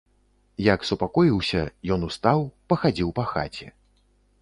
Як супакоіўся, ён устаў, пахадзіў па хаце.